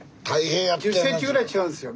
１０センチぐらい違うんですよ